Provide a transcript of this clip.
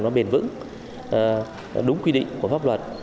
nó bền vững đúng quy định của pháp luật